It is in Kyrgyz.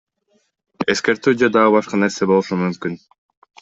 Эскертүү же дагы башка нерсе болушу мүмкүн.